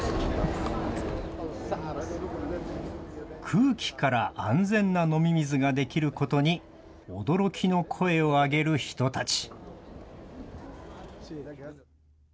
空気から安全な飲み水ができることに驚きの声を上げる人たち。